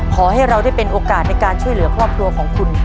ขอให้เราได้เป็นโอกาสในการช่วยเหลือครอบครัวของคุณ